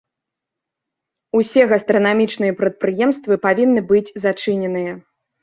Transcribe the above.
Усе гастранамічныя прадпрыемствы павінны быць зачыненыя.